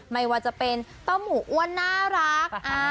ไม่ว่าจะเป็นเต้าหมูอ้วนน่ารัก